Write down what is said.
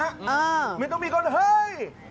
เออมันต้องมีคนเฮ้ย